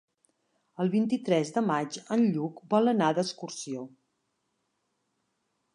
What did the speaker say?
El vint-i-tres de maig en Lluc vol anar d'excursió.